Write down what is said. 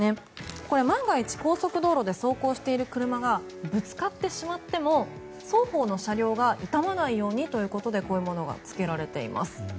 これは万が一、高速道路で走行している車がぶつかってしまっても双方の車両が傷まないようにということでこういうものがつけられています。